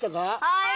はい！